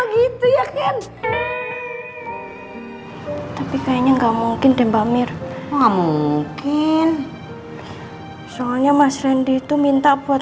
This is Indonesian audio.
gitu ya ken tapi kayaknya nggak mungkin deh mbak mir nggak mungkin soalnya mas rendy itu minta buat